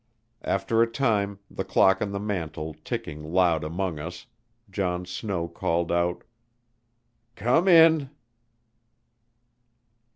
After a time, the clock on the mantel ticking loud among us, John Snow called out: "Come in!"